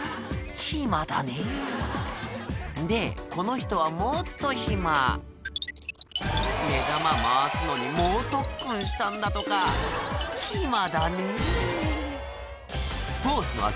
暇だねぇでこの人はもっと暇目玉回すのに猛特訓したんだとか暇だねぇ「スポーツの秋